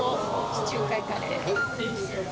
地中海カレー。